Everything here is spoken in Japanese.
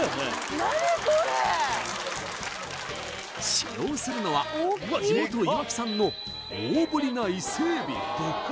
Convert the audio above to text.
使用するのは地元いわき産の大ぶりな伊勢海老